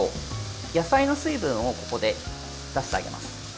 野菜の水分をここで出してあげます。